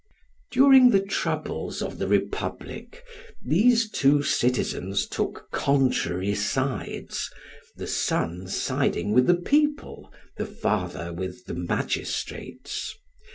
During the troubles of the republic, these two citizens took contrary sides, the son siding with the people, the father with the magistrates.